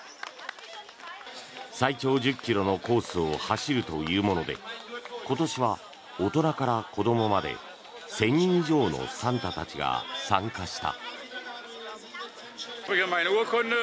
最長１０ｋｍのコースを走るというもので今年は大人から子どもまで１０００人以上のサンタたちが参加した。